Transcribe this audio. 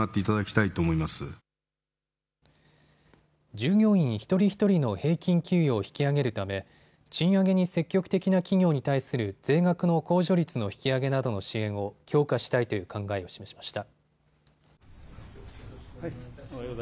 従業員一人一人の平均給与を引き上げるため賃上げに積極的な企業に対する税額の控除率の引き上げなどの支援を、強化したいという考えを示しました。